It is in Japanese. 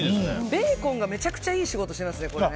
ベーコンがめちゃくちゃいい仕事してますね。